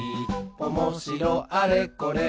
「おもしろあれこれ